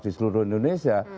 di seluruh indonesia